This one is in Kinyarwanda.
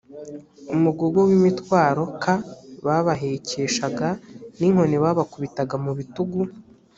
umugogo w imitwaro k babahekeshaga n inkoni babakubitaga mu bitugu